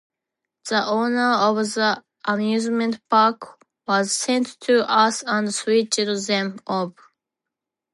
The owner of the amusement park was sent to Earth and switched them off.